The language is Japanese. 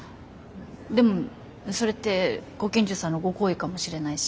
でもそれってご近所さんのご好意かもしれないし。